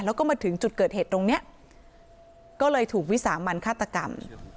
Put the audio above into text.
แล้วก็มาถึงจุดเกิดเหตุตรงนี้ก็เลยถูกวิสามันฆาตกรรม